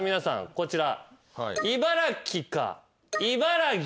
こちら。